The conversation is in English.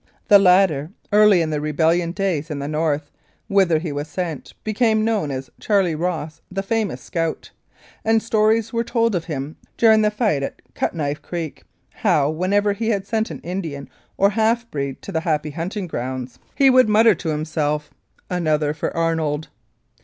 The latter, early in the rebellion days in the north, whither he was sent, be came known as "Charlie Ross, the famous scout," and stories were told of him during the fight at Cut Knife Creek how, whenever he had sent an Indian or half breed to the happy hunting grounds, he would mutter 15 Mounted Police Life in Canada to himself, "Another for Arnold."